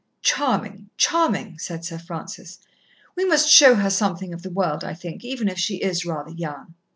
"Charming, charming!" said Sir Francis. "We must show her something of the world, I think, even if she is rather young."